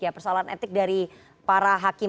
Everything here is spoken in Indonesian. persoalan etik dari para hakim